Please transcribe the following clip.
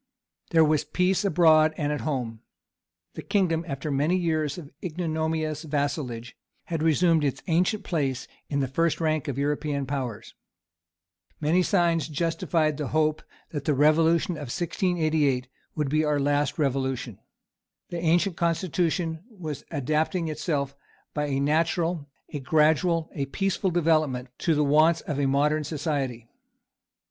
There was peace abroad and at home. The kingdom, after many years of ignominious vassalage, had resumed its ancient place in the first rank of European powers. Many signs justified the hope that the Revolution of 1688 would be our last Revolution. The ancient constitution was adapting itself, by a natural, a gradual, a peaceful development, to the wants of a modern society.